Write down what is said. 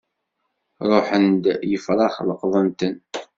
Ṛuḥen-d yefṛax leqḍen-ten.